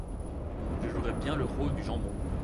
je jouerais bien le rôle du jambon.